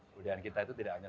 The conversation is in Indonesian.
kebudayaan kita itu tidak hanya